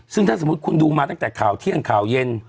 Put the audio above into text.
ซึ่งถ้าสมมุติคุณดูมาตั้งแต่ข่าวเที่ยงข่าวเย็น